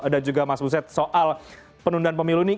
dan juga mas muset soal penundaan pemilu ini